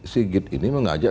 sigit ini mengajak